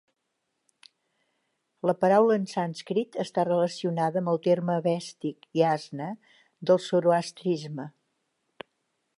La paraula en sànscrit està relacionada amb el terme avèstic yasna del zoroastrisme.